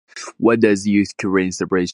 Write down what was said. What is used to raise the raise—